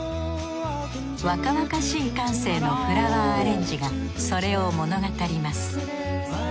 若々しい感性のフラワーアレンジがそれを物語ります